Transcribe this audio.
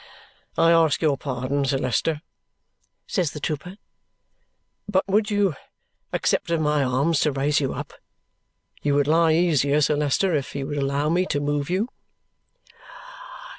"I ask your pardon, Sir Leicester," says the trooper, "but would you accept of my arms to raise you up? You would lie easier, Sir Leicester, if you would allow me to move you."